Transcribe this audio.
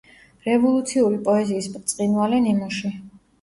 რევოლუციური პოეზიის ბრწყინვალე ნიმუში.